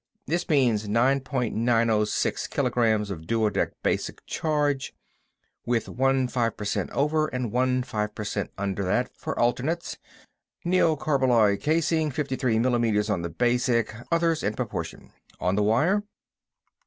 That means nine point nine oh six kilograms of duodec basic charge, with one five percent over and one five percent under that for alternates. Neocarballoy casing, fifty three millimeters on the basic, others in proportion. On the wire?"